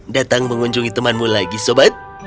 datang mengunjungi temanmu lagi sobat